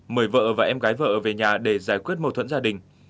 mời vợ và em gái vợ về nhà để giải quyết mâu thuẫn gia đình